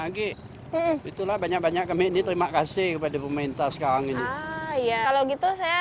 lagi itulah banyak banyak kami ini terima kasih kepada pemerintah sekarang ini iya kalau gitu saya